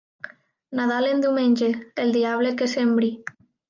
Nadal en diumenge, el diable que sembri.